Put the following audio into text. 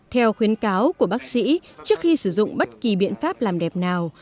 theo khuyến cáo của bác sĩ trước khi sử dụng bất kỳ biện pháp làm đẹp nào